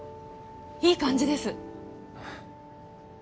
いい感じです